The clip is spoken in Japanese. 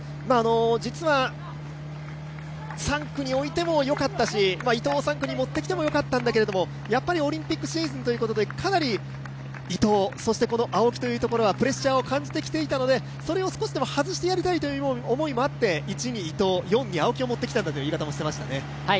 実は３区に置いてもよかったし伊藤を３区に持ってきてもよかったんだけどもやっぱりオリンピック選手ということでかなり伊藤、そして青木というところはプレッシャーを感じてきていたので少し外してやりたいという思いがあって１に伊藤、２に青木を持ってきたと話していましたね。